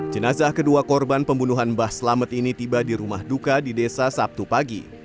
jenazah kedua korban pembunuhan mbah selamet ini tiba di rumah duka di desa sabtu pagi